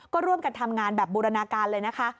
ก็ร่วมกันทำงานแบบบูรณาการเลยนะคะ